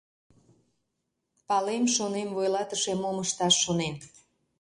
— Палем, шонем, вуйлатыше мом ышташ шонен...